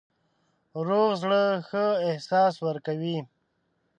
روغ زړه ښه احساس ورکوي.